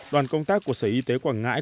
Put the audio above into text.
đoàn công tác của sở y tế quảng ngãi